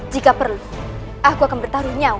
jika perlu aku akan bertaruh nyawa